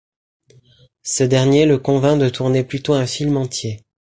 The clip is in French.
Ce dernier le convainc de tourner plutôt un film entier.